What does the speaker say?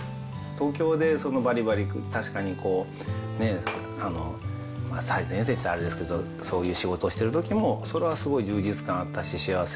東京でばりばり、確かにね、最前線っていったらあれですけど、そういう仕事をしてるときも、それはすごい充実感あったし、幸せ